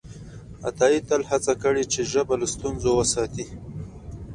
عطایي تل هڅه کړې چې ژبه له ستونزو وساتي.